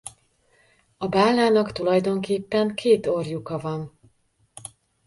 A bálnának tulajdonképpen két orrlyuka van.